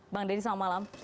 bang dedy selamat malam